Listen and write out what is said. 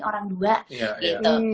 orang dua gitu